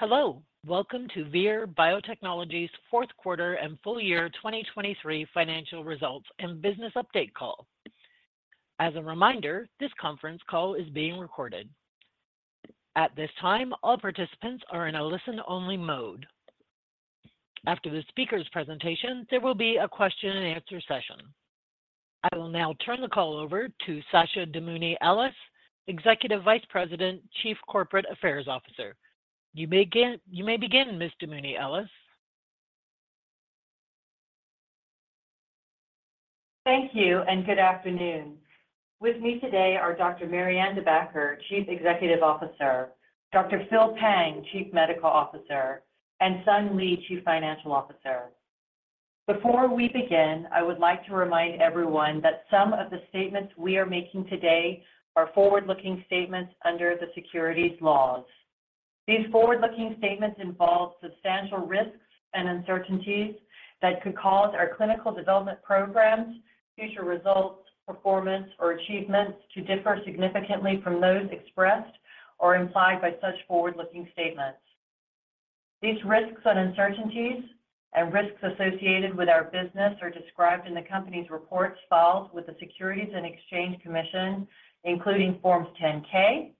Hello, welcome to Vir Biotechnology's fourth quarter and full year 2023 financial results and business update call. As a reminder, this conference call is being recorded. At this time, all participants are in a listen-only mode. After the speaker's presentation, there will be a question and answer session. I will now turn the call over to Sasha Damouni Ellis, Executive Vice President, Chief Corporate Affairs Officer. You may begin, you may begin, Ms. Damouni Ellis. Thank you, and good afternoon. With me today are Dr. Marianne De Backer, Chief Executive Officer, Dr. Phil Pang, Chief Medical Officer, and Sung Lee, Chief Financial Officer. Before we begin, I would like to remind everyone that some of the statements we are making today are forward-looking statements under the securities laws. These forward-looking statements involve substantial risks and uncertainties that could cause our clinical development programs, future results, performance, or achievements to differ significantly from those expressed or implied by such forward-looking statements. These risks and uncertainties, and risks associated with our business are described in the company's reports filed with the Securities and Exchange Commission, including Forms 10-K,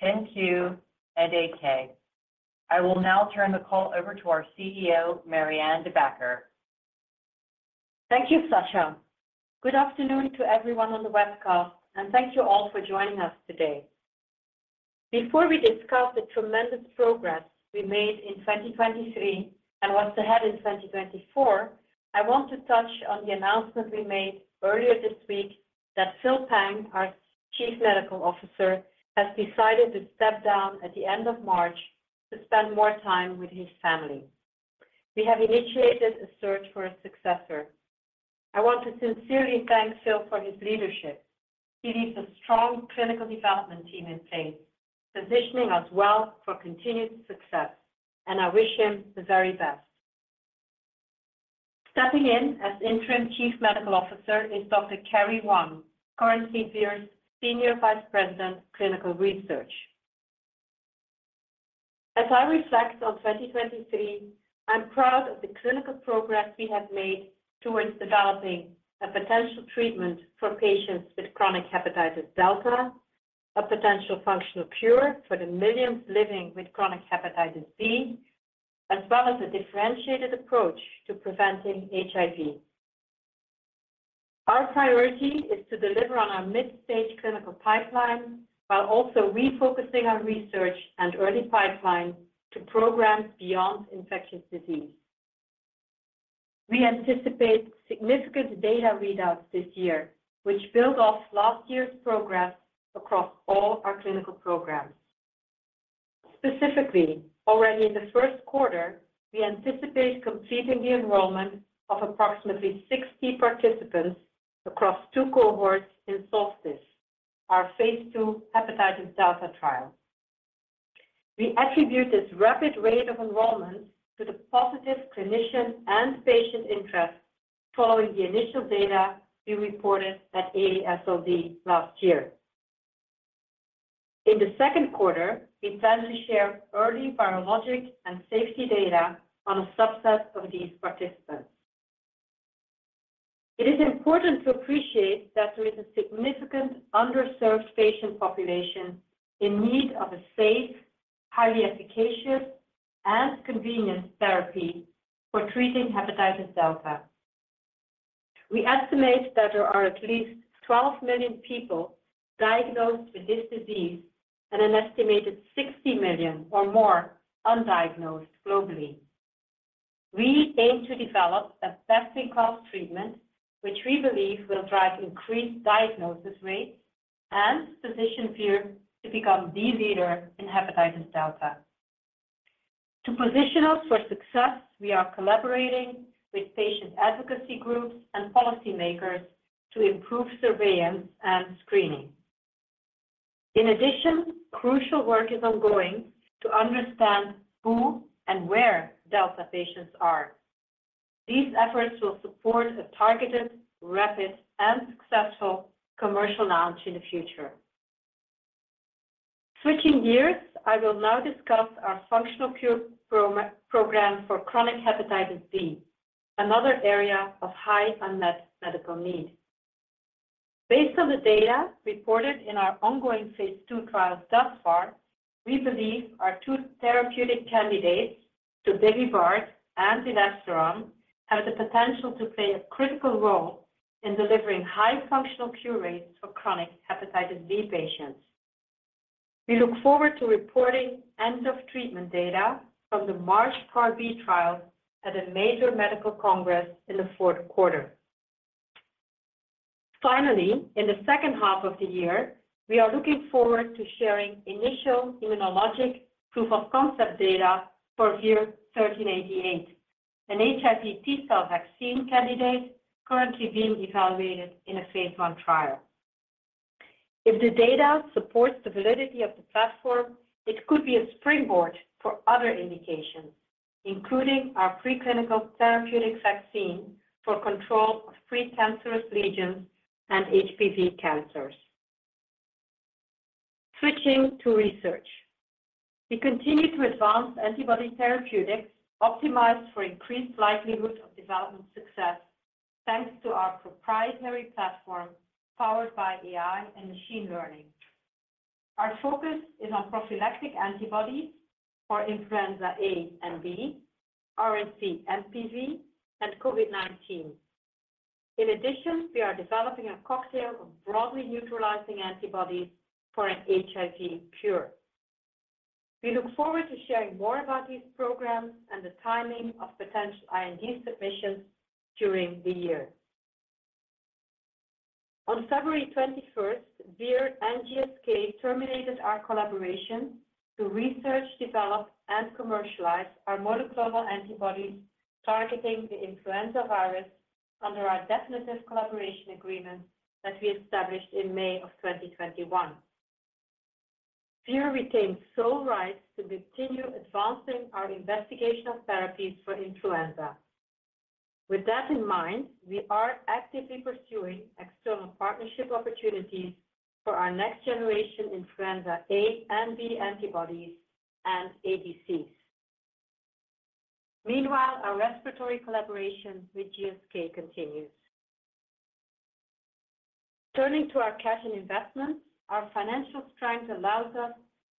10-Q, and 8-K. I will now turn the call over to our CEO, Marianne De Backer. Thank you, Sasha. Good afternoon to everyone on the West Coast, and thank you all for joining us today. Before we discuss the tremendous progress we made in 2023 and what's ahead in 2024, I want to touch on the announcement we made earlier this week that Phil Pang, our Chief Medical Officer, has decided to step down at the end of March to spend more time with his family. We have initiated a search for a successor. I want to sincerely thank Phil for his leadership. He leaves a strong clinical development team in place, positioning us well for continued success, and I wish him the very best. Stepping in as Interim Chief Medical Officer is Dr. Carey Hwang, currently Vir's Senior Vice President, Clinical Research. As I reflect on 2023, I'm proud of the clinical progress we have made towards developing a potential treatment for patients with chronic hepatitis delta, a potential functional cure for the millions living with chronic hepatitis B, as well as a differentiated approach to preventing HIV. Our priority is to deliver on our mid-stage clinical pipeline, while also refocusing on research and early pipeline to programs beyond infectious disease. We anticipate significant data readouts this year, which build off last year's progress across all our clinical programs. Specifically, already in the first quarter, we anticipate completing the enrollment of approximately 60 participants across two cohorts in SOLSTICE, our phase II hepatitis delta trial. We attribute this rapid rate of enrollment to the positive clinician and patient interest following the initial data we reported at AASLD last year. In the second quarter, we plan to share early virologic and safety data on a subset of these participants. It is important to appreciate that there is a significant underserved patient population in need of a safe, highly efficacious, and convenient therapy for treating hepatitis delta. We estimate that there are at least 12 million people diagnosed with this disease and an estimated 60 million or more undiagnosed globally. We aim to develop a best-in-class treatment, which we believe will drive increased diagnosis rates and position Vir to become the leader in hepatitis delta. To position us for success, we are collaborating with patient advocacy groups and policymakers to improve surveillance and screening. In addition, crucial work is ongoing to understand who and where delta patients are. These efforts will support a targeted, rapid, and successful commercial launch in the future. Switching gears, I will now discuss our functional cure program for chronic hepatitis B, another area of high unmet medical need. Based on the data reported in our ongoing phase II trials thus far, we believe our two therapeutic candidates, tobevibart and elebsiran, have the potential to play a critical role in delivering high functional cure rates for chronic hepatitis B patients. We look forward to reporting end of treatment data from the MARCH Part B trial at a major medical congress in the fourth quarter. Finally, in the second half of the year, we are looking forward to sharing initial immunologic proof of concept data for VIR-1388, an HIV T cell vaccine candidate currently being evaluated in a phase I trial. If the data supports the validity of the platform, it could be a springboard for other indications, including our preclinical therapeutic vaccine for control of precancerous lesions and HPV cancers. Switching to research. We continue to advance antibody therapeutics optimized for increased likelihood of development success, thanks to our proprietary platform powered by AI and machine learning. Our focus is on prophylactic antibodies for influenza A and B, RSV, hMPV, and COVID-19. In addition, we are developing a cocktail of broadly neutralizing antibodies for an HIV cure. We look forward to sharing more about these programs and the timing of potential IND submissions during the year. On February 21, Vir and GSK terminated our collaboration to research, develop, and commercialize our monoclonal antibodies targeting the influenza virus under our definitive collaboration agreement that we established in May of 2021. Vir retains sole rights to continue advancing our investigational therapies for influenza. With that in mind, we are actively pursuing external partnership opportunities for our next generation influenza A and B antibodies and ADCs. Meanwhile, our respiratory collaboration with GSK continues. Turning to our cash and investments, our financial strength allows us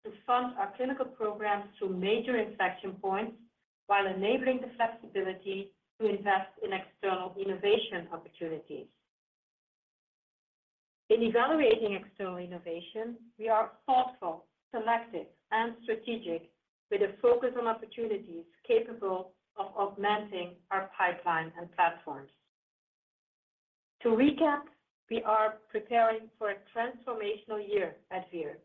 to fund our clinical programs through major inflection points, while enabling the flexibility to invest in external innovation opportunities. In evaluating external innovation, we are thoughtful, selective, and strategic, with a focus on opportunities capable of augmenting our pipeline and platforms. To recap, we are preparing for a transformational year at Vir,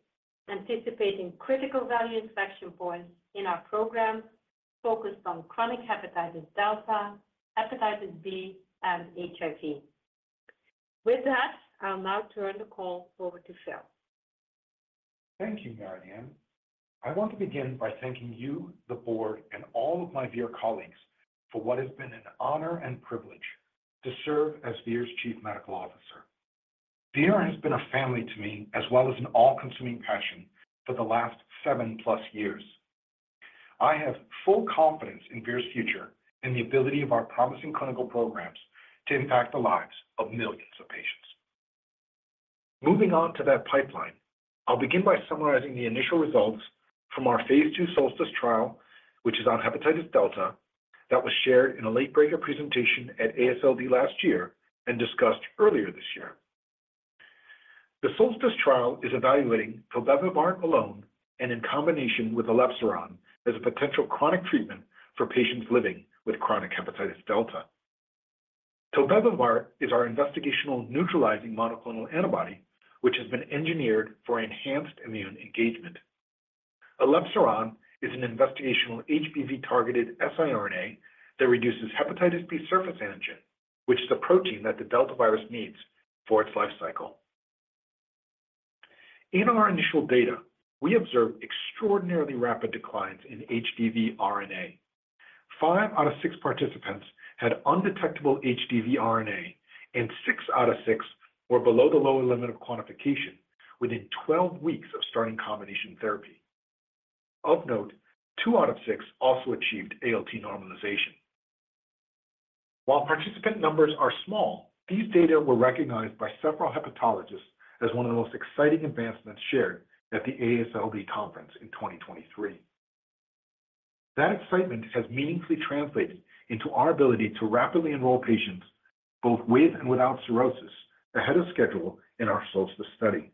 anticipating critical value inflection points in our programs focused on chronic hepatitis delta, hepatitis B, and HIV. With that, I'll now turn the call over to Phil. Thank you, Marianne. I want to begin by thanking you, the board, and all of my Vir colleagues for what has been an honor and privilege to serve as Vir's Chief Medical Officer. Vir has been a family to me, as well as an all-consuming passion for the last seven plus years. I have full confidence in Vir's future and the ability of our promising clinical programs to impact the lives of millions of patients. Moving on to that pipeline, I'll begin by summarizing the initial results from our phase II SOLSTICE trial, which is on hepatitis delta, that was shared in a late-breaker presentation at AASLD last year and discussed earlier this year. The SOLSTICE trial is evaluating tobevibart alone and in combination with elebsiran as a potential chronic treatment for patients living with chronic hepatitis delta. Tobevibart is our investigational neutralizing monoclonal antibody, which has been engineered for enhanced immune engagement. Elebsiran is an investigational HBV-targeted siRNA that reduces hepatitis B surface antigen, which is a protein that the delta virus needs for its life cycle. In our initial data, we observed extraordinarily rapid declines in HDV RNA. Five out of six participants had undetectable HDV RNA, and six out of six were below the lower limit of quantification within 12 weeks of starting combination therapy. Of note, two out of six also achieved ALT normalization. While participant numbers are small, these data were recognized by several hepatologists as one of the most exciting advancements shared at the AASLD conference in 2023. That excitement has meaningfully translated into our ability to rapidly enroll patients, both with and without cirrhosis, ahead of schedule in our SOLSTICE study.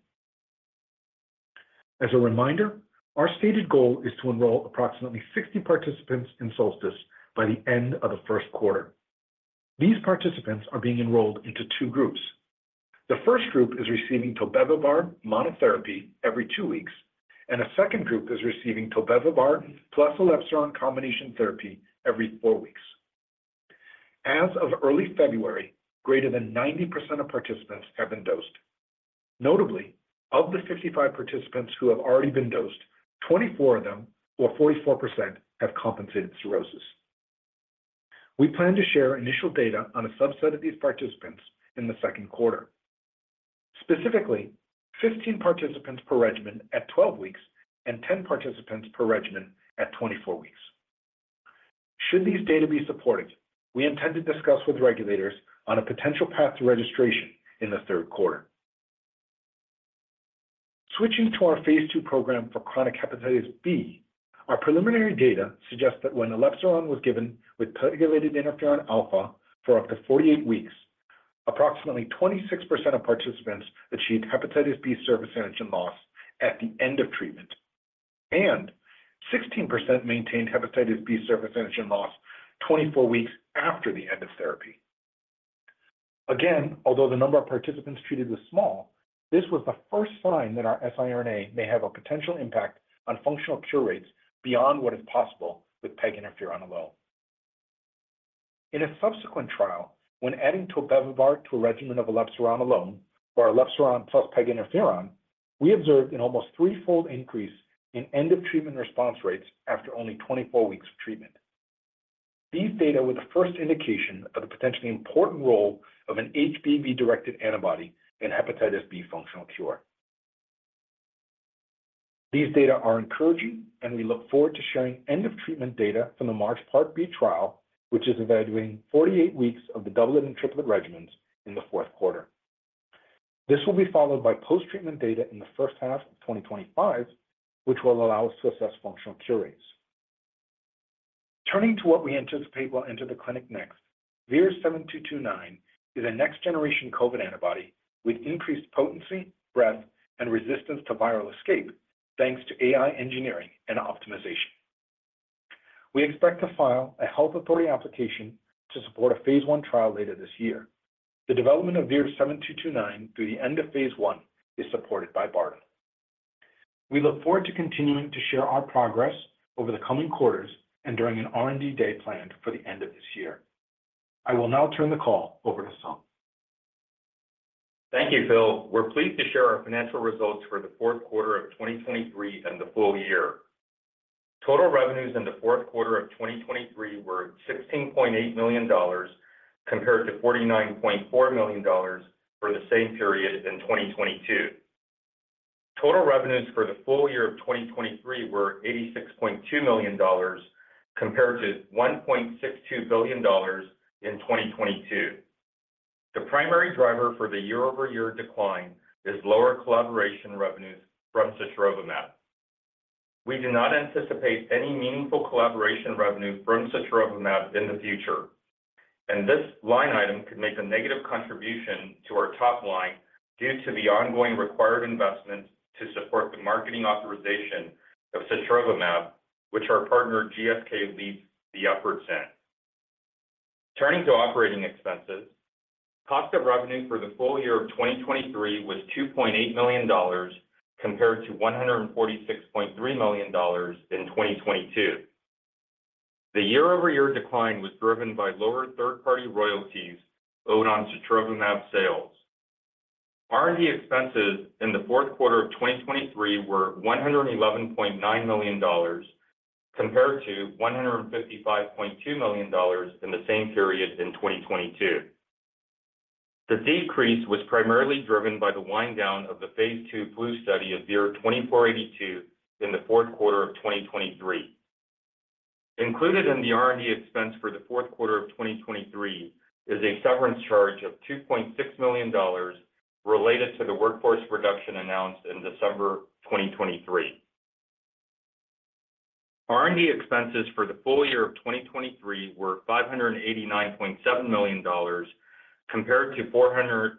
As a reminder, our stated goal is to enroll approximately 60 participants in SOLSTICE by the end of the first quarter. These participants are being enrolled into two groups. The first group is receiving tobevibart monotherapy every two weeks, and a second group is receiving tobevibart plus elebsiran combination therapy every four weeks. As of early February, greater than 90% of participants have been dosed. Notably, of the 55 participants who have already been dosed, 24 of them, or 44%, have compensated cirrhosis. We plan to share initial data on a subset of these participants in the second quarter. Specifically, 15 participants per regimen at 12 weeks and 10 participants per regimen at 24 weeks. Should these data be supported, we intend to discuss with regulators on a potential path to registration in the third quarter. Switching to our phase II program for chronic hepatitis B, our preliminary data suggests that when elebsiran was given with pegylated interferon alfa for up to 48 weeks, approximately 26% of participants achieved hepatitis B surface antigen loss at the end of treatment, and 16% maintained hepatitis B surface antigen loss 24 weeks after the end of therapy. Again, although the number of participants treated was small, this was the first sign that our siRNA may have a potential impact on functional cure rates beyond what is possible with peg interferon alone. In a subsequent trial, when adding tobevibart to a regimen of elebsiran alone, or elebsiran plus peg interferon, we observed an almost threefold increase in end of treatment response rates after only 24 weeks of treatment. These data were the first indication of the potentially important role of an HBV-directed antibody in hepatitis B functional cure. These data are encouraging, and we look forward to sharing end-of-treatment data from the MARCH Part B trial, which is evaluating 48 weeks of the doublet and triplet regimens in the fourth quarter. This will be followed by post-treatment data in the first half of 2025, which will allow us to assess functional cure rates. Turning to what we anticipate will enter the clinic next, VIR-7229 is a next-generation COVID-19 antibody with increased potency, breadth, and resistance to viral escape, thanks to AI engineering and optimization. We expect to file a health authority application to support a phase I trial later this year. The development of VIR-7229 through the end of phase I is supported by BARDA. We look forward to continuing to share our progress over the coming quarters and during an R&D Day planned for the end of this year. I will now turn the call over to Sung. Thank you, Phil. We're pleased to share our financial results for the fourth quarter of 2023 and the full year. Total revenues in the fourth quarter of 2023 were $16.8 million, compared to $49.4 million for the same period in 2022. Total revenues for the full year of 2023 were $86.2 million, compared to $1.62 billion in 2022. The primary driver for the year-over-year decline is lower collaboration revenues from sotrovimab. We do not anticipate any meaningful collaboration revenue from sotrovimab in the future, and this line item could make a negative contribution to our top line due to the ongoing required investments to support the marketing authorization of sotrovimab, which our partner, GSK, leads the efforts in. Turning to operating expenses, cost of revenue for the full year of 2023 was $2.8 million, compared to $146.3 million in 2022. The year-over-year decline was driven by lower third-party royalties owed on sotrovimab sales. R&D expenses in the fourth quarter of 2023 were $111.9 million, compared to $155.2 million in the same period in 2022. The decrease was primarily driven by the wind down of the phase II flu study of VIR-2482 in the fourth quarter of 2023. Included in the R&D expense for the fourth quarter of 2023 is a severance charge of $2.6 million related to the workforce reduction announced in December 2023. R&D expenses for the full year of 2023 were $589.7 million, compared to $474.6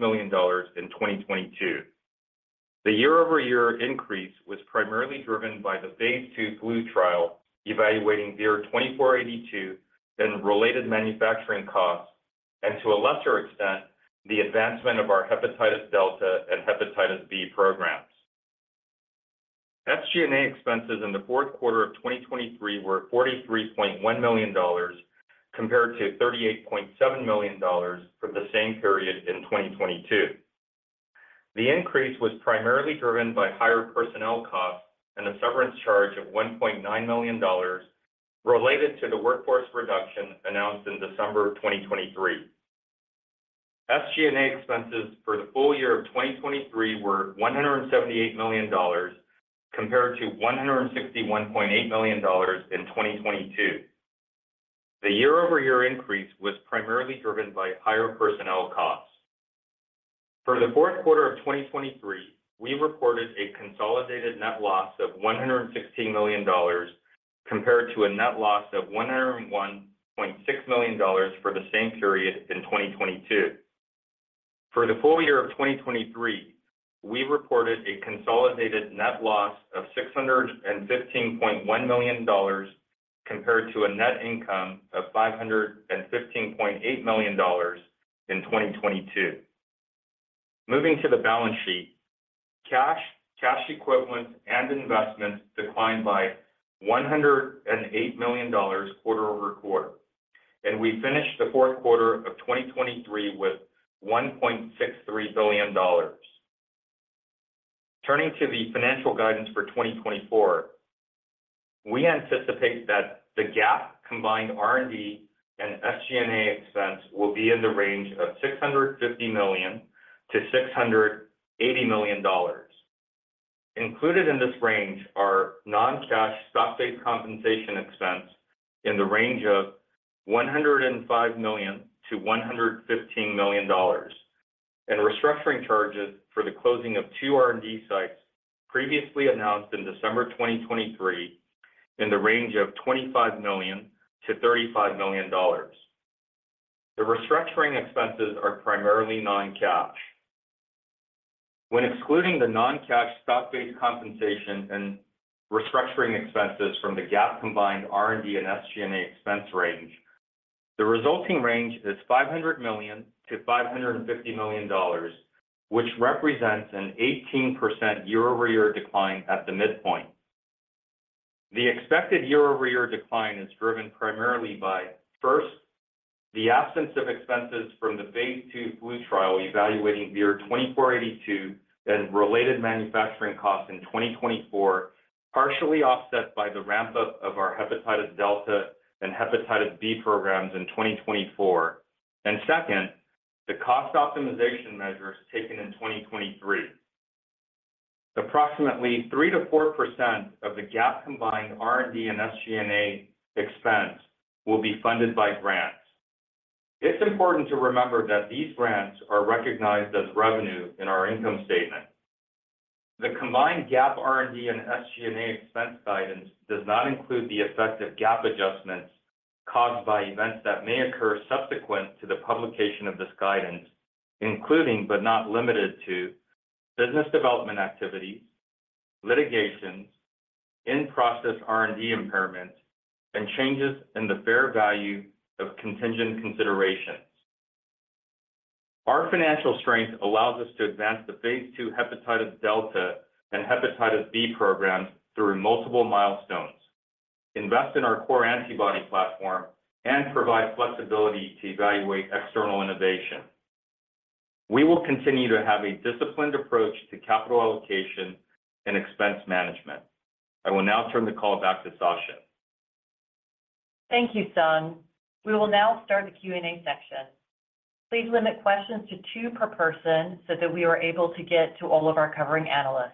million in 2022. The year-over-year increase was primarily driven by the phase II flu trial, evaluating VIR-2482 and related manufacturing costs, and to a lesser extent, the advancement of our hepatitis delta and hepatitis B programs. SG&A expenses in the fourth quarter of 2023 were $43.1 million, compared to $38.7 million for the same period in 2022. The increase was primarily driven by higher personnel costs and a severance charge of $1.9 million related to the workforce reduction announced in December 2023. SG&A expenses for the full year of 2023 were $178 million, compared to $161.8 million in 2022. The year-over-year increase was primarily driven by higher personnel costs. For the fourth quarter of 2023, we reported a consolidated net loss of $116 million, compared to a net loss of $101.6 million for the same period in 2022. For the full year of 2023, we reported a consolidated net loss of $615.1 million, compared to a net income of $515.8 million in 2022. Moving to the balance sheet, cash, cash equivalents, and investments declined by $108 million quarter over quarter, and we finished the fourth quarter of 2023 with $1.63 billion. Turning to the financial guidance for 2024, we anticipate that the GAAP combined R&D and SG&A expense will be in the range of $650 million-$680 million. Included in this range are non-cash stock-based compensation expense in the range of $105 million-$115 million, and restructuring charges for the closing of two R&D sites previously announced in December 2023, in the range of $25 million-$35 million. The restructuring expenses are primarily non-cash. When excluding the non-cash stock-based compensation and restructuring expenses from the GAAP combined R&D and SG&A expense range, the resulting range is $500 million-$550 million, which represents an 18% year-over-year decline at the midpoint. The expected year-over-year decline is driven primarily by, first, the absence of expenses from the phase II flu trial evaluating VIR-2482 and related manufacturing costs in 2024, partially offset by the ramp-up of our hepatitis delta and hepatitis B programs in 2024. And second, the cost optimization measures taken in 2023. Approximately 3%-4% of the GAAP combined R&D and SG&A expense will be funded by grants. It's important to remember that these grants are recognized as revenue in our income statement. The combined GAAP R&D and SG&A expense guidance does not include the effective GAAP adjustments caused by events that may occur subsequent to the publication of this guidance, including, but not limited to, business development activities, litigations, in-process R&D impairments, and changes in the fair value of contingent considerations. Our financial strength allows us to advance the phase II hepatitis delta and hepatitis B programs through multiple milestones, invest in our core antibody platform, and provide flexibility to evaluate external innovation. We will continue to have a disciplined approach to capital allocation and expense management. I will now turn the call back to Sasha. Thank you, Sung. We will now start the Q&A section. Please limit questions to two per person so that we are able to get to all of our covering analysts.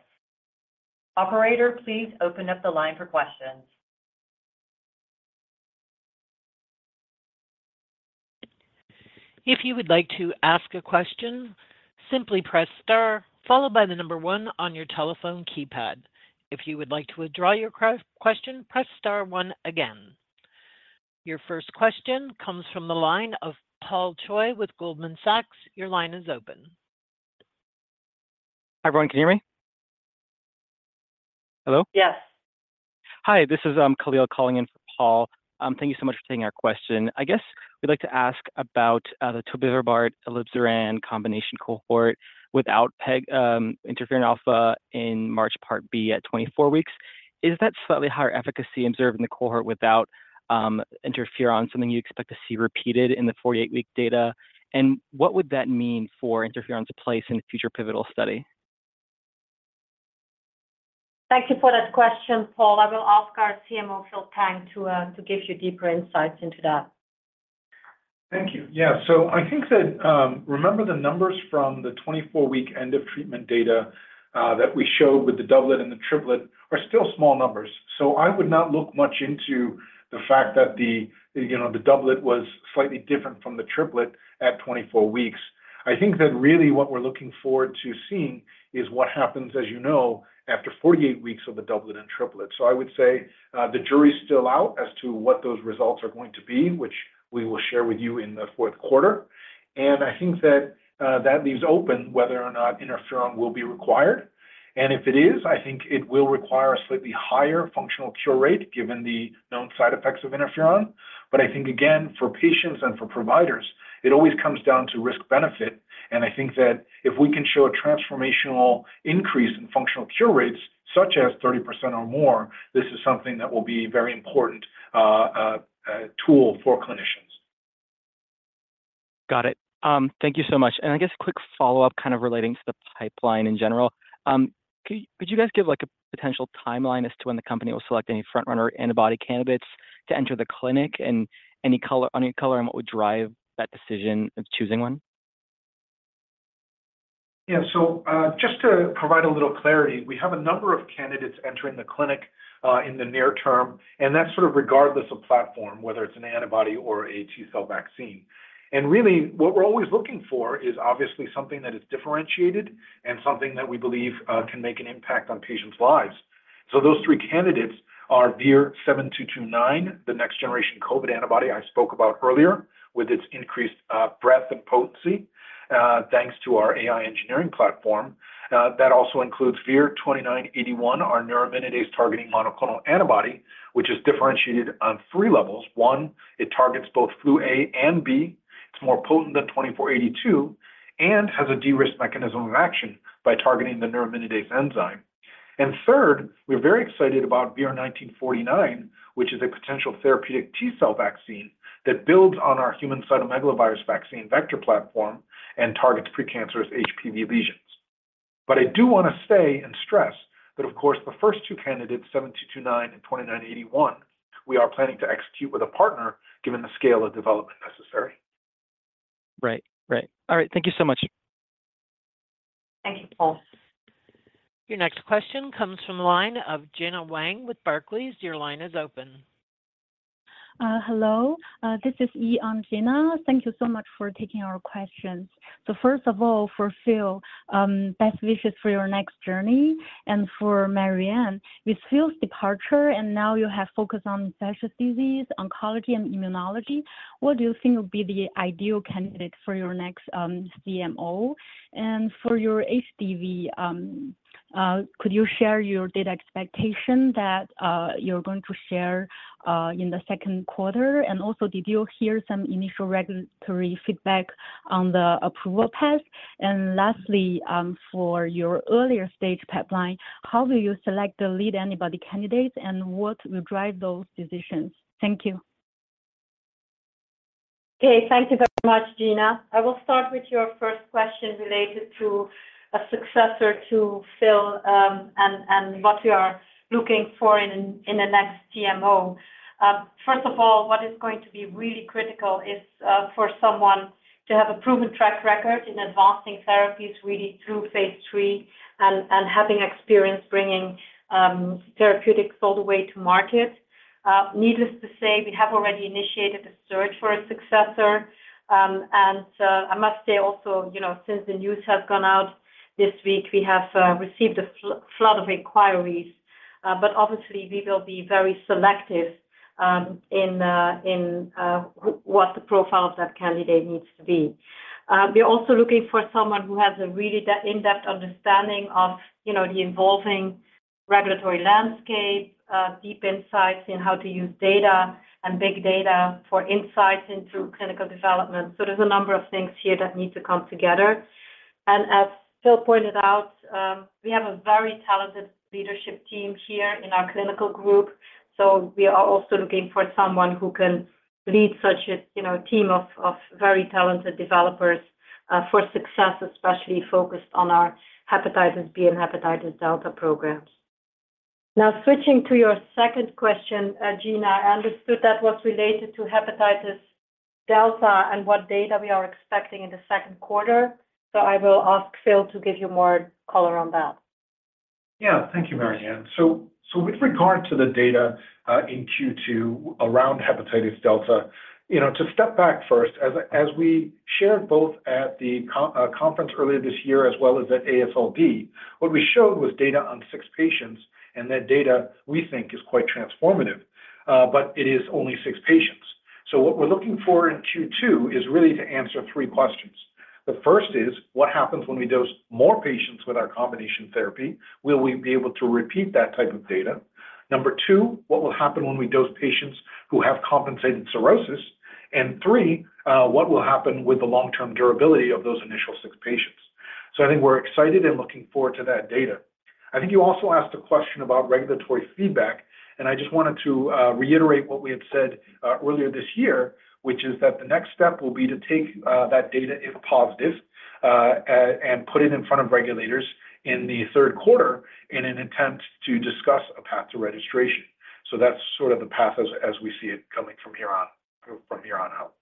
Operator, please open up the line for questions. If you would like to ask a question, simply press star followed by the number one on your telephone keypad. If you would like to withdraw your question, press star one again. Your first question comes from the line of Paul Choi with Goldman Sachs. Your line is open. Hi, everyone. Can you hear me? Hello? Yes. Hi, this is Khalil calling in for Paul. Thank you so much for taking our question. I guess we'd like to ask about the tobevibart elebsiran combination cohort without PEG interferon alpha in MARCH Part B at 24 weeks. Is that slightly higher efficacy observed in the cohort without interferon something you expect to see repeated in the 48-week data? And what would that mean for interferon's place in a future pivotal study? Thank you for that question, Paul. I will ask our CMO, Phil Pang, to give you deeper insights into that. Thank you. Yeah, so I think that, remember the numbers from the 24-week end of treatment data, that we showed with the doublet and the triplet are still small numbers. So I would not look much into the fact that the, you know, the doublet was slightly different from the triplet at 24 weeks. I think that really what we're looking forward to seeing is what happens, as you know, after 48 weeks of the doublet and triplet. So I would say, the jury is still out as to what those results are going to be, which we will share with you in the fourth quarter. And I think that, that leaves open whether or not interferon will be required. And if it is, I think it will require a slightly higher functional cure rate, given the known side effects of interferon. But I think, again, for patients and for providers, it always comes down to risk-benefit, and I think that if we can show a transformational increase in functional cure rates, such as 30% or more, this is something that will be very important tool for clinicians. Got it. Thank you so much. I guess quick follow-up, kind of relating to the pipeline in general. Could you guys give, like, a potential timeline as to when the company will select any front-runner antibody candidates to enter the clinic, and any color, any color on what would drive that decision of choosing one? Yeah. So, just to provide a little clarity, we have a number of candidates entering the clinic, in the near term, and that's sort of regardless of platform, whether it's an antibody or a T cell vaccine. And really, what we're always looking for is obviously something that is differentiated and something that we believe, can make an impact on patients' lives. So those 3 candidates are VIR-7229, the next generation COVID antibody I spoke about earlier, with its increased, breadth and potency, thanks to our AI engineering platform. That also includes VIR-2981, our neuraminidase targeting monoclonal antibody, which is differentiated on 3 levels. 1, it targets both flu A and B, it's more potent than 2482, and has a de-risked mechanism of action by targeting the neuraminidase enzyme. Third, we're very excited about VIR-1949, which is a potential therapeutic T cell vaccine that builds on our human cytomegalovirus vaccine vector platform and targets precancerous HPV lesions. But I do want to say and stress that, of course, the first two candidates, 7229 and 2981, we are planning to execute with a partner given the scale of development necessary. Right. Right. All right. Thank you so much. Thank you, Paul. Your next question comes from the line of Gena Wang with Barclays. Your line is open. Hello, this is Yi on Gena. Thank you so much for taking our questions. So first of all, for Phil, best wishes for your next journey, and for Marianne. With Phil's departure, and now you have focused on infectious disease, oncology, and immunology, what do you think would be the ideal candidate for your next, CMO? And for your HDV, could you share your data expectation that, you're going to share, in the second quarter? And also, did you hear some initial regulatory feedback on the approval path? And lastly, for your earlier stage pipeline, how do you select the lead antibody candidates, and what will drive those decisions? Thank you. Okay, thank you very much, Gena. I will start with your first question related to a successor to Phil, and what we are looking for in the next CMO. First of all, what is going to be really critical is for someone to have a proven track record in advancing therapies really through phase three and having experience bringing therapeutics all the way to market. Needless to say, we have already initiated a search for a successor. And I must say also, you know, since the news has gone out this week, we have received a flood of inquiries. But obviously we will be very selective in what the profile of that candidate needs to be. We're also looking for someone who has a really in-depth understanding of, you know, the evolving regulatory landscape, deep insights in how to use data and big data for insights into clinical development. So there's a number of things here that need to come together. And as Phil pointed out, we have a very talented leadership team here in our clinical group, so we are also looking for someone who can lead such a, you know, team of, of very talented developers, for success, especially focused on our hepatitis B and hepatitis delta programs. Now, switching to your second question, Gena, I understood that was related to hepatitis delta and what data we are expecting in the second quarter, so I will ask Phil to give you more color on that. Yeah. Thank you, Marianne. So, with regard to the data in Q2 around hepatitis delta, you know, to step back first, as we shared both at the conference earlier this year, as well as at AASLD, what we showed was data on six patients, and that data we think is quite transformative, but it is only six patients. So what we're looking for in Q2 is really to answer three questions. The first is, what happens when we dose more patients with our combination therapy? Will we be able to repeat that type of data? Number two, what will happen when we dose patients who have compensated cirrhosis? And three, what will happen with the long-term durability of those initial six patients? So I think we're excited and looking forward to that data. I think you also asked a question about regulatory feedback, and I just wanted to reiterate what we had said earlier this year, which is that the next step will be to take that data, if positive, and put it in front of regulators in the third quarter in an attempt to discuss a path to registration. So that's sort of the path as we see it coming from here on, from here on out.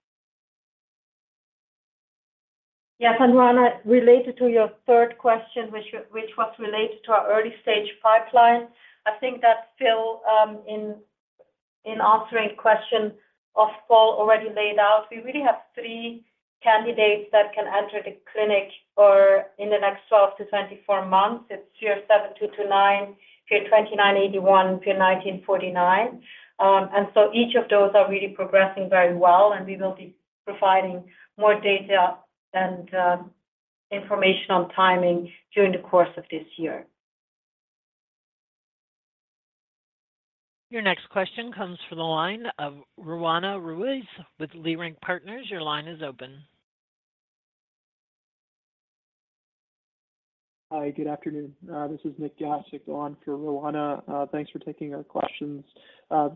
Yes, and Juana, related to your third question, which was related to our early stage pipeline, I think that Phil, in answering question of Paul, already laid out, we really have three candidates that can enter the clinic in the next 12-24 months. It's VIR-7229, VIR-2981, VIR-1949. And so each of those are really progressing very well, and we will be providing more data and information on timing during the course of this year. Your next question comes from the line of Roanna Ruiz with Leerink Partners. Your line is open. Hi, good afternoon. This is Nik Gasic on for Roanna. Thanks for taking our questions.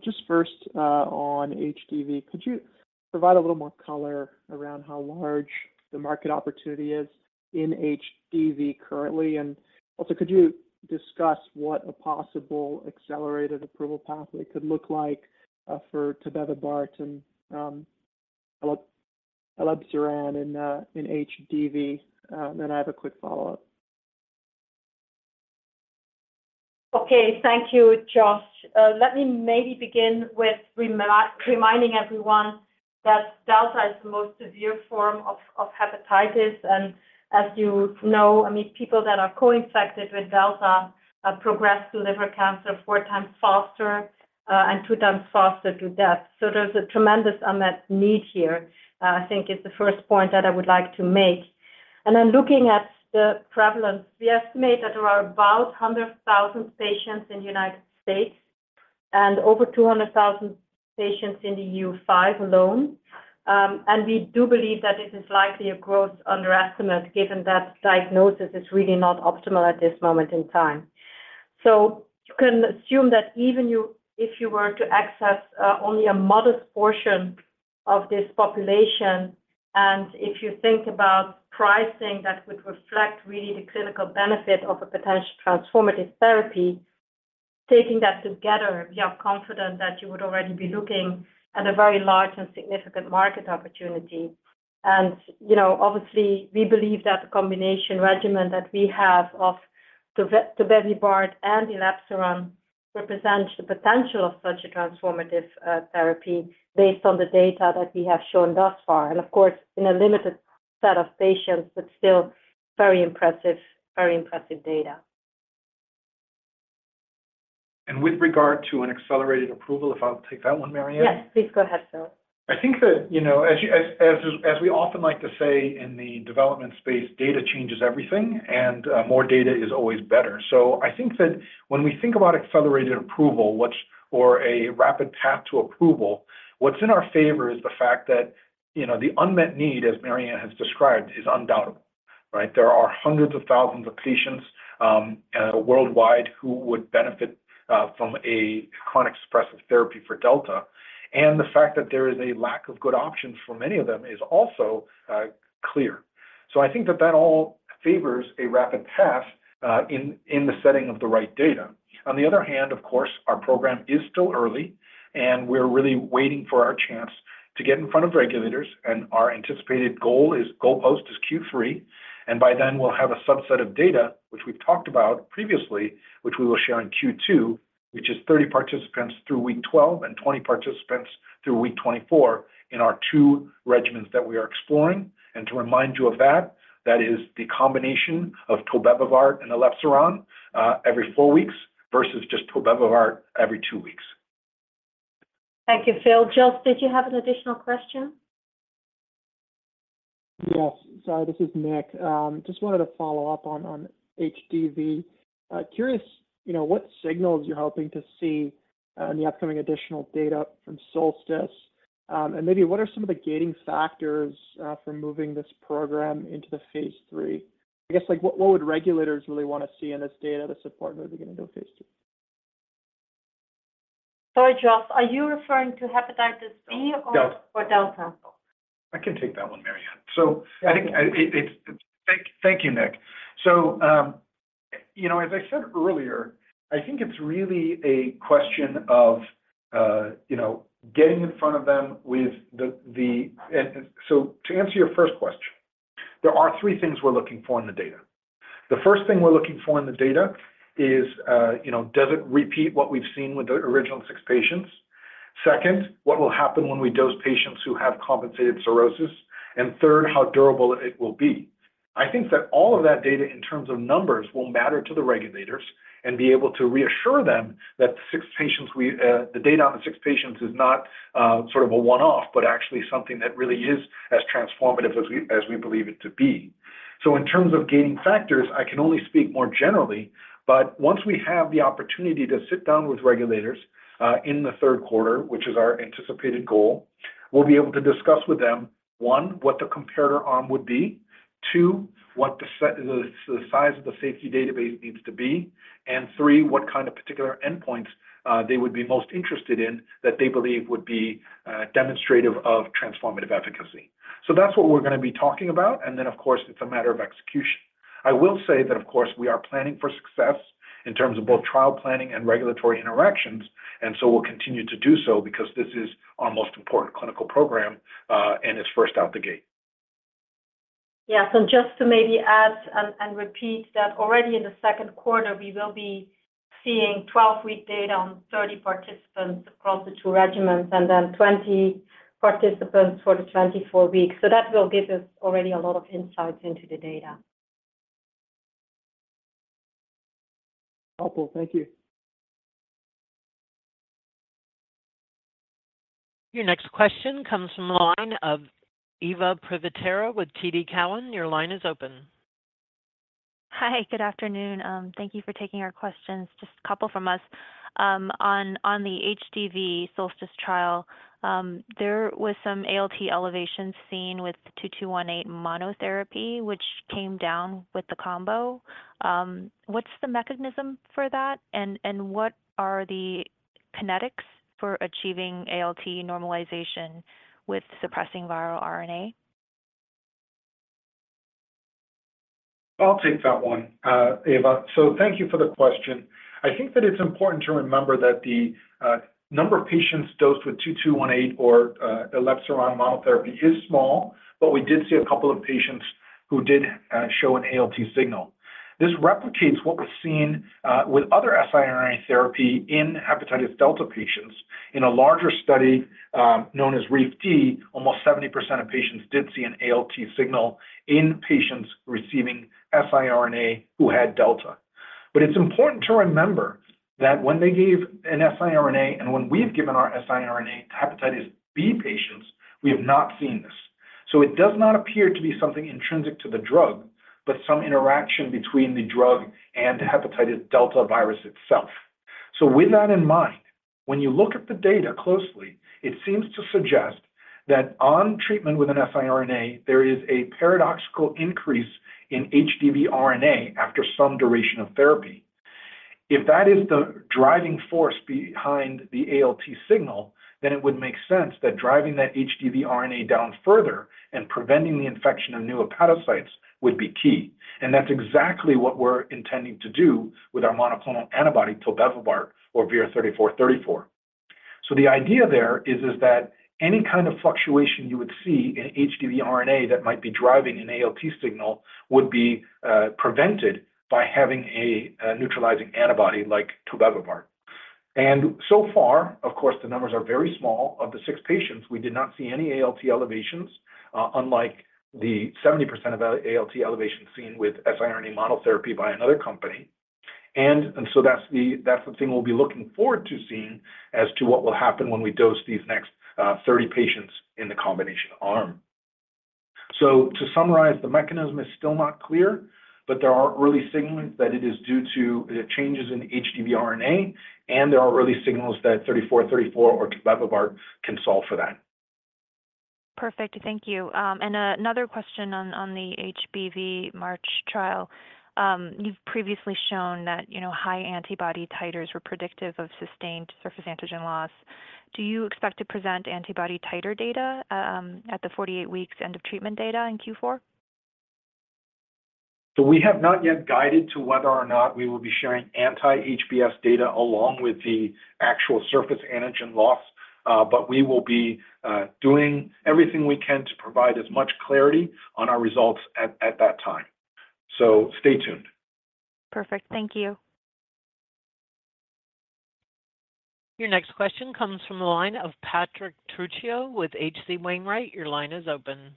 Just first, on HDV, could you provide a little more color around how large the market opportunity is in HDV currently? And also, could you discuss what a possible accelerated approval pathway could look like, for tobevibart and elebsiran in HDV? Then I have a quick follow-up. Okay. Thank you, Josh. Let me maybe begin with reminding everyone that delta is the most severe form of hepatitis. And as you know, I mean, people that are co-infected with delta progress to liver cancer four times faster and two times faster to death. So there's a tremendous unmet need here, I think is the first point that I would like to make. And then looking at the prevalence, we estimate that there are about 100,000 patients in the United States and over 200,000 patients in the EU5 alone. And we do believe that this is likely a gross underestimate, given that diagnosis is really not optimal at this moment in time. So you can assume that even you, if you were to access only a modest portion of this population, and if you think about pricing, that would reflect really the clinical benefit of a potential transformative therapy. Taking that together, we are confident that you would already be looking at a very large and significant market opportunity. And you know, obviously, we believe that the combination regimen that we have of tobevibart and elebsiran represents the potential of such a transformative therapy based on the data that we have shown thus far, and of course, in a limited set of patients, but still very impressive, very impressive data. With regard to an accelerated approval, if I'll take that one, Marianne. Yes, please go ahead, Phil. I think that, you know, as we often like to say in the development space, data changes everything, and more data is always better. So I think that when we think about accelerated approval, what's or a rapid path to approval, what's in our favor is the fact that, you know, the unmet need, as Marianne has described, is undeniable. Right? There are hundreds of thousands of patients worldwide who would benefit from a chronic suppressive therapy for delta, and the fact that there is a lack of good options for many of them is also clear. So I think that that all favors a rapid path in the setting of the right data. On the other hand, of course, our program is still early, and we're really waiting for our chance to get in front of regulators, and our anticipated goal is, goalpost is Q3. And by then, we'll have a subset of data, which we've talked about previously, which we will share in Q2, which is 30 participants through week 12 and 20 participants through week 24 in our two regimens that we are exploring. And to remind you of that, that is the combination of tobevibart and elebsiran every four weeks versus just tobevibart every two weeks. Thank you, Phil. Josh, did you have an additional question? Yes. Sorry, this is Nick. Just wanted to follow up on, on HDV. Curious, you know, what signals you're hoping to see in the upcoming additional data from SOLSTICE? And maybe what are some of the gating factors for moving this program into the phase three? I guess, like, what would regulators really want to see in this data to support moving into a phase two? Sorry, Josh, are you referring to hepatitis B or- Delta. Or delta? I can take that one, Marianne. So I think. Thank you, Nick. So, you know, as I said earlier, I think it's really a question of, you know, getting in front of them. And so to answer your first question, there are three things we're looking for in the data. The first thing we're looking for in the data is, you know, does it repeat what we've seen with the original six patients? Second, what will happen when we dose patients who have compensated cirrhosis? And third, how durable it will be. I think that all of that data, in terms of numbers, will matter to the regulators and be able to reassure them that the six patients we, the data on the six patients is not sort of a one-off, but actually something that really is as transformative as we, as we believe it to be. So in terms of gaining factors, I can only speak more generally, but once we have the opportunity to sit down with regulators, in the third quarter, which is our anticipated goal, we'll be able to discuss with them, one, what the comparator arm would be, two, what the size of the safety database needs to be, and three, what kind of particular endpoints they would be most interested in that they believe would be demonstrative of transformative efficacy. So that's what we're gonna be talking about, and then, of course, it's a matter of execution. I will say that, of course, we are planning for success in terms of both trial planning and regulatory interactions, and so we'll continue to do so because this is our most important clinical program, and it's first out the gate. Yeah. So just to maybe add and repeat that already in the second quarter, we will be seeing 12-week data on 30 participants across the two regimens, and then 20 participants for the 24 weeks. So that will give us already a lot of insights into the data. Helpful. Thank you. Your next question comes from the line of Eva Privitera with TD Cowen. Your line is open. Hi, good afternoon. Thank you for taking our questions. Just a couple from us. On the HDV SOLSTICE trial, there was some ALT elevations seen with 2218 monotherapy, which came down with the combo. What's the mechanism for that? And what are the kinetics for achieving ALT normalization with suppressing viral RNA? I'll take that one, Eva. So thank you for the question. I think that it's important to remember that the number of patients dosed with 2218 or elebsiran monotherapy is small, but we did see a couple of patients who did show an ALT signal. This replicates what was seen with other siRNA therapy in hepatitis delta patients. In a larger study known as REEF-D, almost 70% of patients did see an ALT signal in patients receiving siRNA who had delta. But it's important to remember that when they gave an siRNA, and when we've given our siRNA to hepatitis B patients, we have not seen this. So it does not appear to be something intrinsic to the drug, but some interaction between the drug and the hepatitis delta virus itself. So with that in mind, when you look at the data closely, it seems to suggest that on treatment with an siRNA, there is a paradoxical increase in HDV RNA after some duration of therapy. If that is the driving force behind the ALT signal, then it would make sense that driving that HDV RNA down further and preventing the infection of new hepatocytes would be key. And that's exactly what we're intending to do with our monoclonal antibody, tobevibart, or VIR-3434. So the idea there is, is that any kind of fluctuation you would see in HDV RNA that might be driving an ALT signal would be prevented by having a neutralizing antibody like tobevibart. And so far, of course, the numbers are very small. Of the six patients, we did not see any ALT elevations, unlike the 70% of ALT elevation seen with siRNA monotherapy by another company. And so that's the thing we'll be looking forward to seeing as to what will happen when we dose these next 30 patients in the combination arm. So to summarize, the mechanism is still not clear, but there are early signals that it is due to the changes in HDV RNA, and there are early signals that VIR-3434 or tobevibart can solve for that.... Perfect. Thank you. And another question on the HBV MARCH trial. You've previously shown that, you know, high antibody titers were predictive of sustained surface antigen loss. Do you expect to present antibody titer data at the 48 weeks end of treatment data in Q4? So we have not yet guided to whether or not we will be sharing anti-HBs data along with the actual surface antigen loss. But we will be doing everything we can to provide as much clarity on our results at that time. Stay tuned. Perfect. Thank you. Your next question comes from the line of Patrick Trucchio with H.C. Wainwright. Your line is open.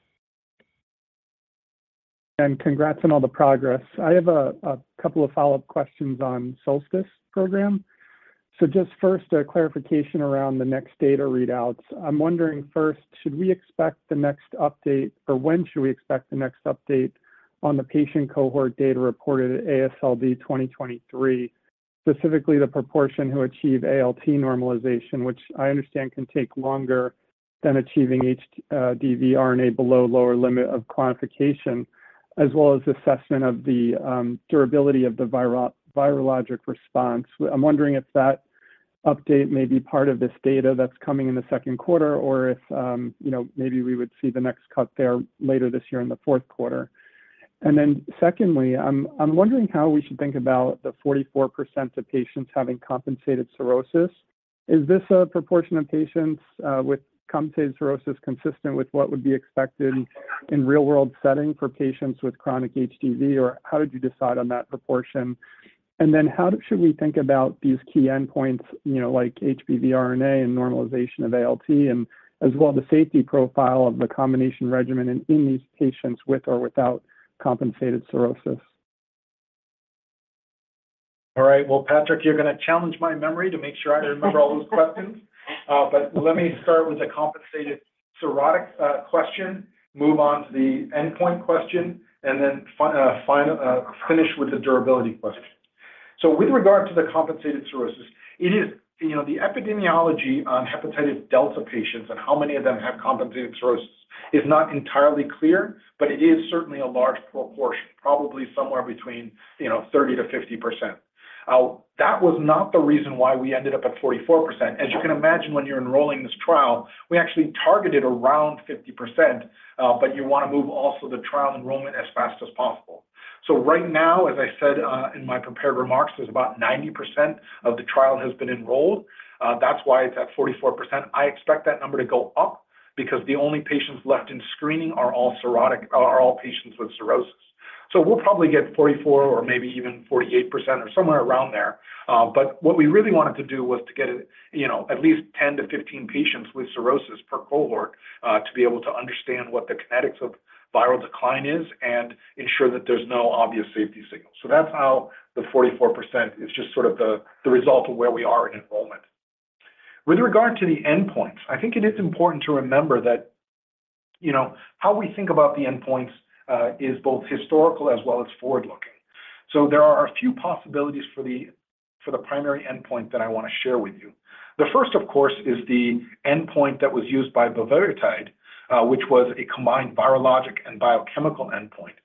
Congrats on all the progress. I have a couple of follow-up questions on SOLSTICE program. So just first, a clarification around the next data readouts. I'm wondering, first, should we expect the next update, or when should we expect the next update on the patient cohort data reported at AASLD 2023, specifically the proportion who achieve ALT normalization, which I understand can take longer than achieving HDV RNA below lower limit of quantification, as well as assessment of the durability of the virologic response. I'm wondering if that update may be part of this data that's coming in the second quarter or if you know, maybe we would see the next cut there later this year in the fourth quarter. And then secondly, I'm wondering how we should think about the 44% of patients having compensated cirrhosis. Is this a proportion of patients, with compensated cirrhosis consistent with what would be expected in real-world setting for patients with chronic HDV? Or how did you decide on that proportion? And then how should we think about these key endpoints, you know, like HBV RNA and normalization of ALT, and as well the safety profile of the combination regimen in these patients with or without compensated cirrhosis? All right. Well, Patrick, you're gonna challenge my memory to make sure I remember all those questions. But let me start with the compensated cirrhotic question, move on to the endpoint question, and then finally finish with the durability question. So with regard to the compensated cirrhosis, it is... You know, the epidemiology on hepatitis delta patients and how many of them have compensated cirrhosis is not entirely clear, but it is certainly a large proportion, probably somewhere between, you know, 30%-50%. That was not the reason why we ended up at 44%. As you can imagine, when you're enrolling this trial, we actually targeted around 50%, but you want to move also the trial enrollment as fast as possible. So right now, as I said, in my prepared remarks, there's about 90% of the trial has been enrolled. That's why it's at 44%. I expect that number to go up because the only patients left in screening are all cirrhotic, are all patients with cirrhosis. So we'll probably get 44% or maybe even 48% or somewhere around there. But what we really wanted to do was to get, you know, at least 10-15 patients with cirrhosis per cohort, to be able to understand what the kinetics of viral decline is and ensure that there's no obvious safety signal. So that's how the 44% is just sort of the result of where we are in enrollment. With regard to the endpoints, I think it is important to remember that, you know, how we think about the endpoints, is both historical as well as forward-looking. So there are a few possibilities for the primary endpoint that I want to share with you. The first, of course, is the endpoint that was used by bulevirtide, which was a combined virologic and biochemical endpoint.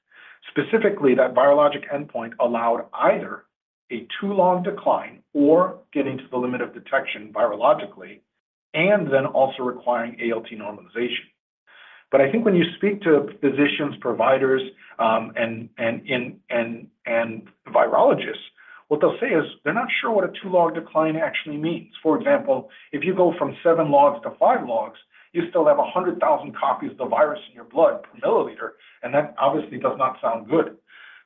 Specifically, that virologic endpoint allowed either a two-log decline or getting to the limit of detection virologically and then also requiring ALT normalization. But I think when you speak to physicians, providers, and virologists, what they'll say is they're not sure what a two-log decline actually means. For example, if you go from seven logs to five logs, you still have 100,000 copies of the virus in your blood per milliliter, and that obviously does not sound good.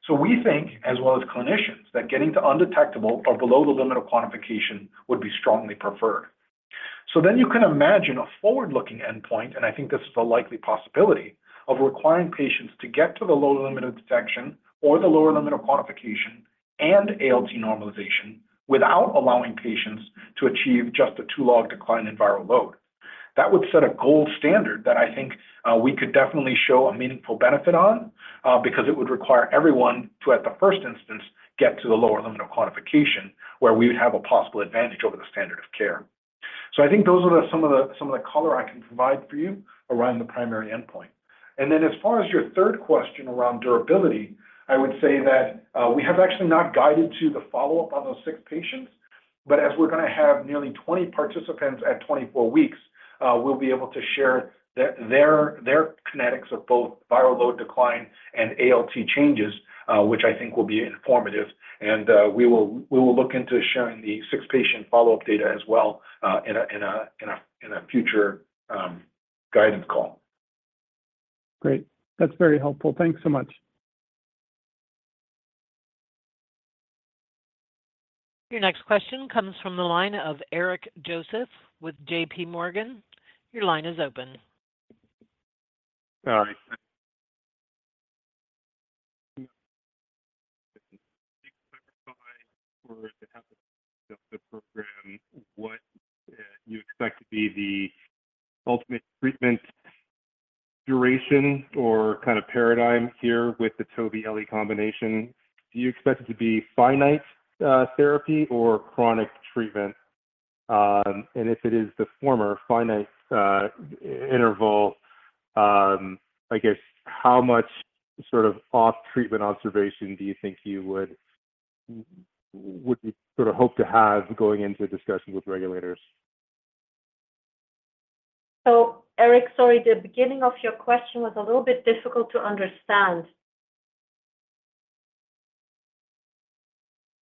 So we think, as well as clinicians, that getting to undetectable or below the limit of quantification would be strongly preferred. So then you can imagine a forward-looking endpoint, and I think this is a likely possibility, of requiring patients to get to the lower limit of detection or the lower limit of quantification and ALT normalization without allowing patients to achieve just a two-log decline in viral load. That would set a gold standard that I think we could definitely show a meaningful benefit on, because it would require everyone to, at the first instance, get to the lower limit of quantification, where we would have a possible advantage over the standard of care. So I think those are some of the color I can provide for you around the primary endpoint. And then as far as your third question around durability, I would say that we have actually not guided to the follow-up on those six patients, but as we're gonna have nearly 20 participants at 24 weeks, we'll be able to share their kinetics of both viral load decline and ALT changes, which I think will be informative. And we will look into sharing the 6-patient follow-up data as well, in a future guidance call. Great. That's very helpful. Thanks so much. Your next question comes from the line of Eric Joseph with JPMorgan. Your line is open. All right. [inaudible] Duration or kind of paradigm here with the tobevibart/elebsiran combination, do you expect it to be finite therapy or chronic treatment? And if it is the former, finite interval, I guess how much sort of off-treatment observation do you think you would sort of hope to have going into discussions with regulators? Eric, sorry, the beginning of your question was a little bit difficult to understand.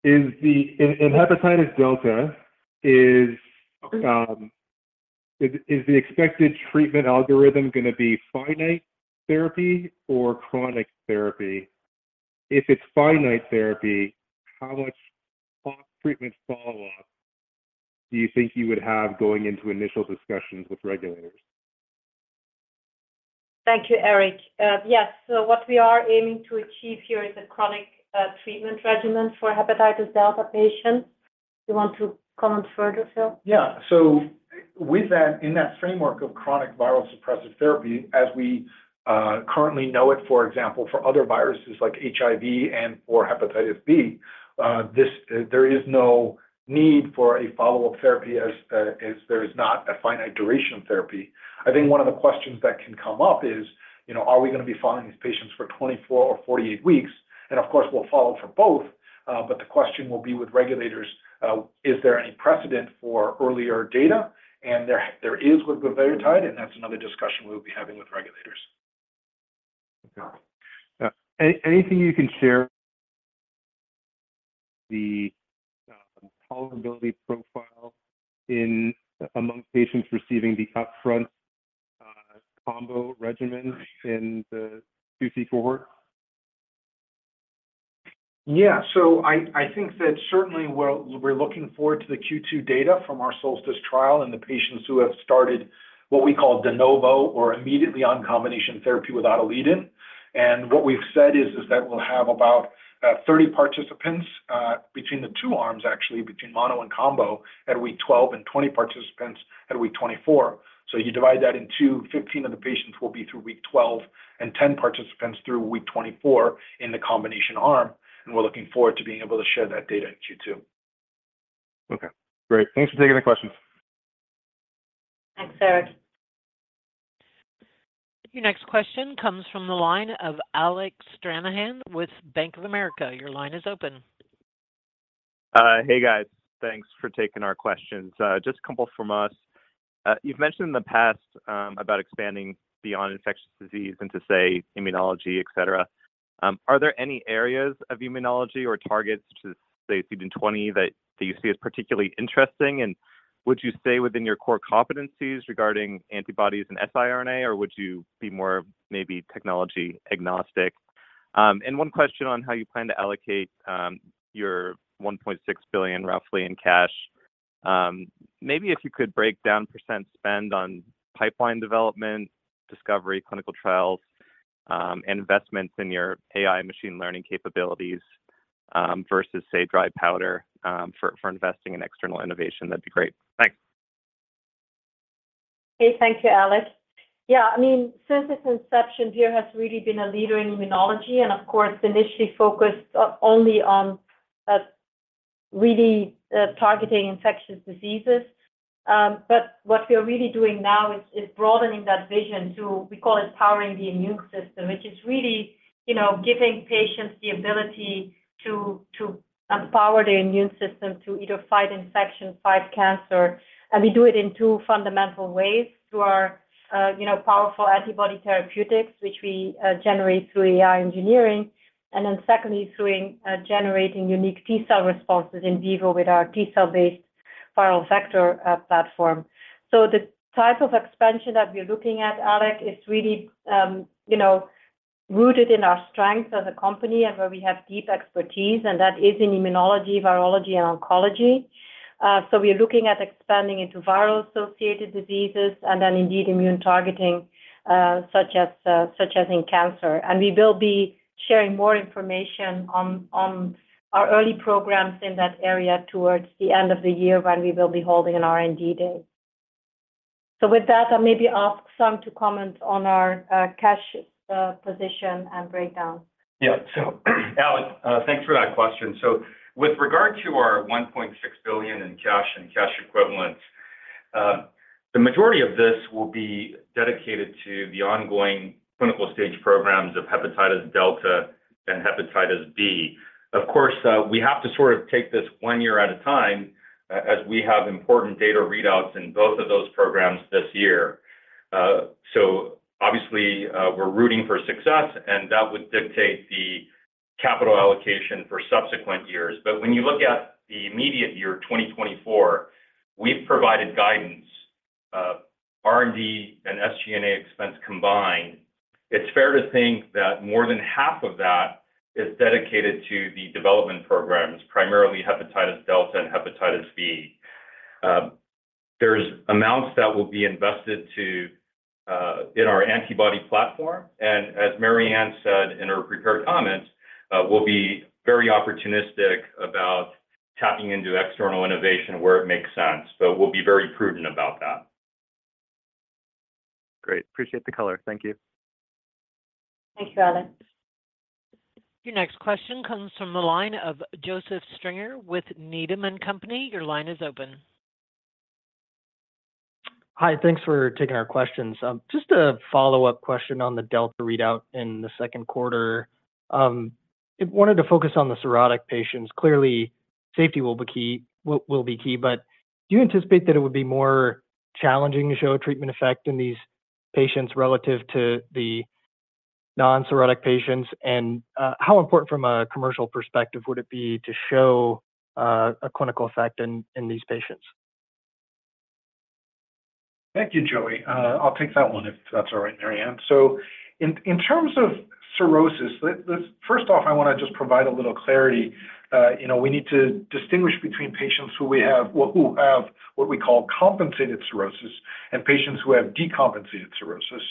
In hepatitis delta, is the expected treatment algorithm gonna be finite therapy or chronic therapy? If it's finite therapy, how much off treatment follow-up do you think you would have going into initial discussions with regulators? Thank you, Eric. Yes, so what we are aiming to achieve here is a chronic treatment regimen for hepatitis delta patients. You want to comment further, Phil? Yeah. So with that, in that framework of chronic viral suppressive therapy, as we currently know it, for example, for other viruses like HIV and or hepatitis B, this, there is no need for a follow-up therapy as, as there is not a finite duration therapy. I think one of the questions that can come up is, you know, are we gonna be following these patients for 24 or 48 weeks? And of course, we'll follow for both, but the question will be with regulators, is there any precedent for earlier data? And there, there is with boceprevir, and that's another discussion we'll be having with regulators. Okay. Anything you can share the tolerability profile in among patients receiving the upfront combo regimens in the two, three, four? Yeah. So I think that certainly we're looking forward to the Q2 data from our Solstice trial and the patients who have started what we call de novo or immediately on combination therapy without a lead-in. And what we've said is that we'll have about 30 participants between the two arms, actually, between mono and combo, at week 12 and 20 participants at week 24. So you divide that in two, 15 of the patients will be through week 12, and 10 participants through week 24 in the combination arm, and we're looking forward to being able to share that data in Q2. Okay, great. Thanks for taking the questions. Thanks, Eric. Your next question comes from the line of Alec Stranahan with Bank of America. Your line is open. Hey, guys. Thanks for taking our questions. Just a couple from us. You've mentioned in the past about expanding beyond infectious disease into, say, immunology, et cetera. Are there any areas of immunology or targets to, say, CD20, that you see as particularly interesting, and would you stay within your core competencies regarding antibodies and siRNA, or would you be more maybe technology agnostic? One question on how you plan to allocate your $1.6 billion, roughly, in cash. Maybe if you could break down percent spend on pipeline development, discovery, clinical trials, and investments in your AI machine learning capabilities versus, say, dry powder for investing in external innovation, that'd be great. Thanks. Okay. Thank you, Alec. Yeah, I mean, since its inception, Vir has really been a leader in immunology, and of course, initially focused only on really targeting infectious diseases. But what we are really doing now is broadening that vision to, we call it powering the immune system, which is really, you know, giving patients the ability to empower their immune system to either fight infection, fight cancer. And we do it in two fundamental ways: through our, you know, powerful antibody therapeutics, which we generate through AI engineering, and then secondly, through generating unique T cell responses in vivo with our T cell-based viral vector platform. The type of expansion that we're looking at, Alex, is really, you know, rooted in our strength as a company and where we have deep expertise, and that is in immunology, virology, and oncology. We're looking at expanding into viral associated diseases and then indeed, immune targeting, such as in cancer. We will be sharing more information on our early programs in that area towards the end of the year when we will be holding an R&D Day. With that, I'll maybe ask Sung to comment on our cash position and breakdown. Yeah. So Alex, thanks for that question. So with regard to our $1.6 billion in cash and cash equivalents, the majority of this will be dedicated to the ongoing clinical stage programs of hepatitis delta and hepatitis B. Of course, we have to sort of take this one year at a time, as we have important data readouts in both of those programs this year. So obviously, we're rooting for success, and that would dictate the capital allocation for subsequent years. But when you look at the immediate year, 2024, we've provided guidance, R&D and SG&A expense combined. It's fair to think that more than half of that is dedicated to the development programs, primarily hepatitis delta and hepatitis B. There's amounts that will be invested to in our antibody platform, and as Marianne said in her prepared comments, we'll be very opportunistic about tapping into external innovation where it makes sense, but we'll be very prudent about that. Great. Appreciate the color. Thank you. Thank you, Alec. Your next question comes from the line of Joseph Stringer with Needham & Company. Your line is open. Hi, thanks for taking our questions. Just a follow-up question on the delta readout in the second quarter. I wanted to focus on the cirrhotic patients. Clearly, safety will be key, but do you anticipate that it would be more challenging to show a treatment effect in these patients relative to the non-cirrhotic patients? And how important from a commercial perspective would it be to show a clinical effect in these patients? Thank you, Joey. I'll take that one, if that's all right, Marianne. So in terms of cirrhosis, let's first off, I want to just provide a little clarity. You know, we need to distinguish between patients who have what we call compensated cirrhosis and patients who have decompensated cirrhosis.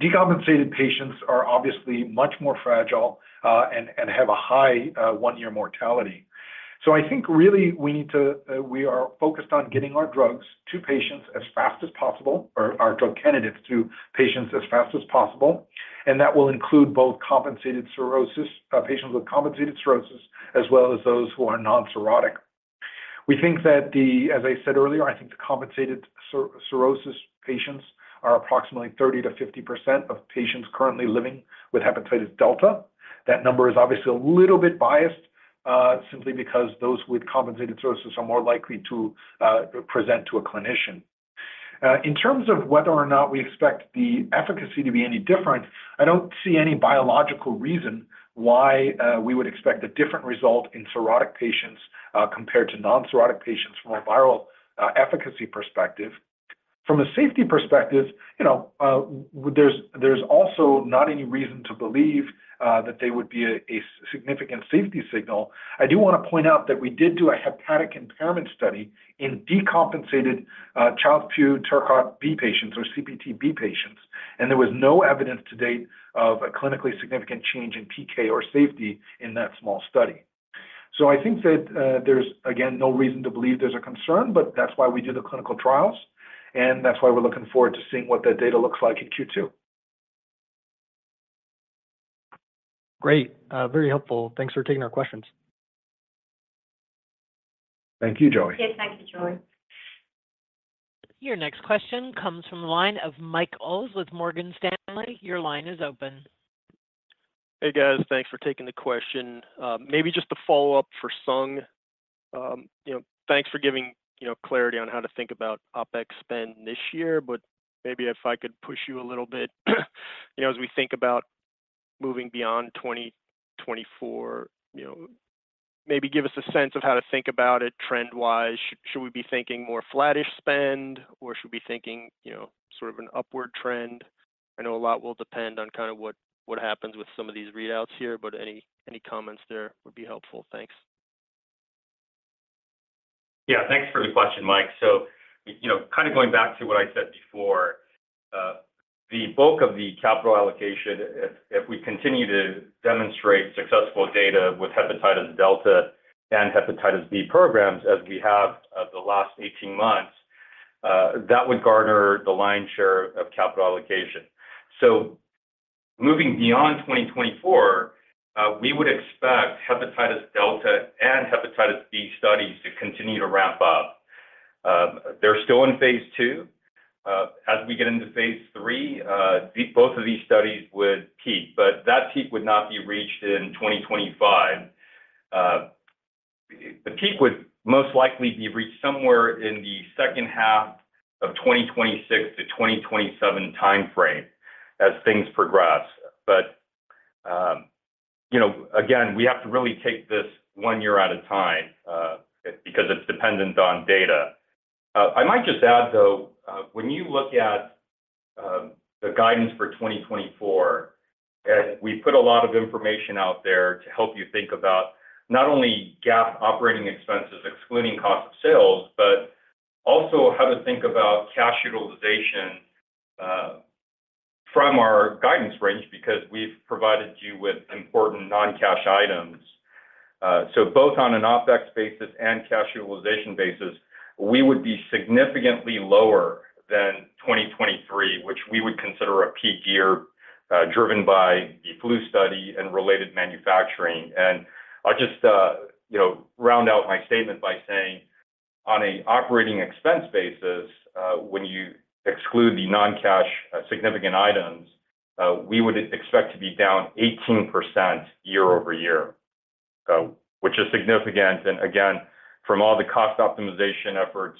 Decompensated patients are obviously much more fragile, and have a high one-year mortality. So I think really we need to, we are focused on getting our drugs to patients as fast as possible, or our drug candidates to patients as fast as possible, and that will include both compensated cirrhosis patients with compensated cirrhosis, as well as those who are non-cirrhotic. We think that the. As I said earlier, I think the compensated cirrhosis patients are approximately 30%-50% of patients currently living with hepatitis delta. That number is obviously a little bit biased, simply because those with compensated cirrhosis are more likely to present to a clinician. In terms of whether or not we expect the efficacy to be any different, I don't see any biological reason why we would expect a different result in cirrhotic patients compared to non-cirrhotic patients from a viral efficacy perspective. From a safety perspective, you know, there's also not any reason to believe that there would be a significant safety signal. I do want to point out that we did do a hepatic impairment study in decompensated, Child-Pugh-Turcotte B patients, or CPT B patients, and there was no evidence to date of a clinically significant change in PK or safety in that small study. I think that, there's again, no reason to believe there's a concern, but that's why we do the clinical trials, and that's why we're looking forward to seeing what that data looks like in Q2. Great. Very helpful. Thanks for taking our questions. Thank you, Joey. Yes, thank you, Joey. Your next question comes from the line of Mike Ulz with Morgan Stanley. Your line is open. Hey, guys. Thanks for taking the question. Maybe just a follow-up for Sung. You know, thanks for giving, you know, clarity on how to think about OpEx spend this year, but maybe if I could push you a little bit. You know, as we think about moving beyond 2024, you know, maybe give us a sense of how to think about it trend-wise. Should we be thinking more flattish spend, or should we be thinking, you know, sort of an upward trend? I know a lot will depend on kind of what happens with some of these readouts here, but any comments there would be helpful. Thanks. Yeah, thanks for the question, Mike. So, you know, kind of going back to what I said before, the bulk of the capital allocation, if, if we continue to demonstrate successful data with hepatitis delta and hepatitis B programs as we have, the last 18 months, that would garner the lion's share of capital allocation. So moving beyond 2024, we would expect hepatitis delta and hepatitis B studies to continue to ramp up. They're still in phase II. As we get into phase III, the, both of these studies would peak, but that peak would not be reached in 2025. The peak would most likely be reached somewhere in the second half of 2026 to 2027 timeframe as things progress. But, you know, again, we have to really take this one year at a time, because it's dependent on data. I might just add, though, when you look at the guidance for 2024, and we put a lot of information out there to help you think about not only GAAP operating expenses, excluding cost of sales, but also how to think about cash utilization, from our guidance range, because we've provided you with important non-cash items. So both on an OpEx basis and cash utilization basis, we would be significantly lower than 2023, which we would consider a peak year, driven by the flu study and related manufacturing. I'll just, you know, round out my statement by saying, on a operating expense basis, when you exclude the non-cash, significant items, we would expect to be down 18% year-over-year, which is significant. And again, from all the cost optimization efforts,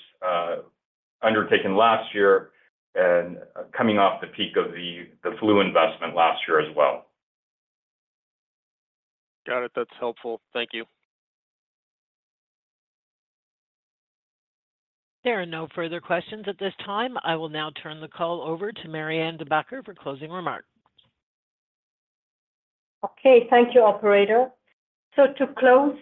undertaken last year and coming off the peak of the flu investment last year as well. Got it. That's helpful. Thank you. There are no further questions at this time. I will now turn the call over to Marianne De Backer for closing remarks. Okay, thank you, operator. So to close,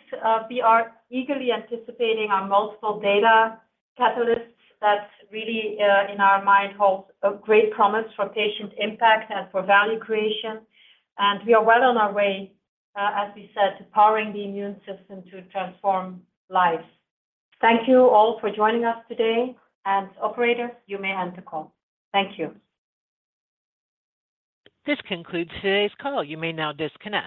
we are eagerly anticipating our multiple data catalysts that really, in our mind, hold a great promise for patient impact and for value creation. And we are well on our way, as we said, to powering the immune system to transform lives. Thank you all for joining us today. And operator, you may end the call. Thank you. This concludes today's call. You may now disconnect.